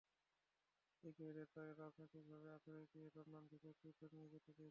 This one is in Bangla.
ইকুয়েডর তাঁকে রাজনৈতিক আশ্রয় দিয়ে লন্ডন থেকে কুইটো নিয়ে যেতে চেয়েছিল।